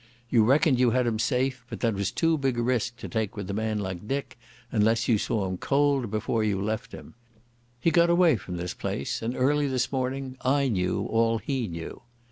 You reckoned you had him safe, but that was too big a risk to take with a man like Dick, unless you saw him cold before you left him.... He got away from this place, and early this morning I knew all he knew.